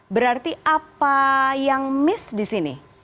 berarti apa yang miss di sini